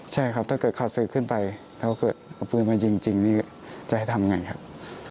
ใช่ครับถ้าเกิดขาดสืบขึ้นไปถ้าเกิดเอาปืนมายิงจริงนี่จะให้ทำไงครับ